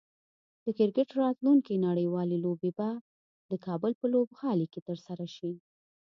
د کرکټ راتلونکی نړیوالې لوبې به د کابل په لوبغالي کې ترسره شي